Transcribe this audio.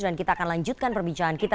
dan kita akan lanjutkan perbincangan kita